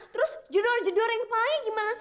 terus jodoh jodohnya yang kepala gimana